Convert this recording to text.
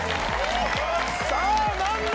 さぁ何だ？